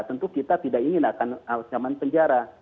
tentu kita tidak ingin akan ancaman penjara